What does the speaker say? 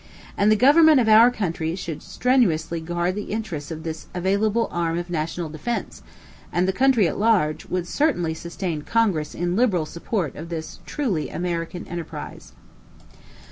And the government of our country should strenuously guard the interests of this available arm of national defence; and the country at large, would certainly sustain Congress in liberal support of this truly American enterprise.